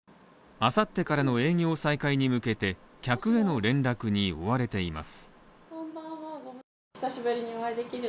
明後日からの営業再開に向けて、客への連絡に追われています。